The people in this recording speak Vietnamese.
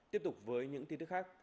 tiếp tục với những tin tức khác